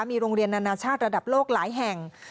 มีโรงเรียนนานาชาติระดับโลกหลายแห่ง